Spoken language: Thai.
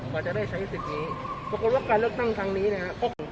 กว่าจะได้ใช้สิทธิ์นี้ปรากฏว่าการเลือกตั้งครั้งนี้นะครับ